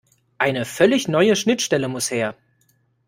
Eine völlig neue Schnittstelle muss her.